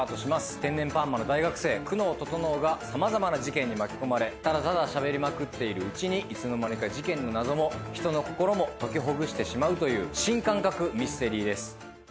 天然パーマの大学生久能整が様々な事件に巻き込まれただただしゃべりまくっているうちにいつの間にか事件の謎も人の心も解きほぐしてしまうという新感覚ミステリーです。